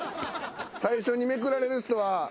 最初にめくられる人は。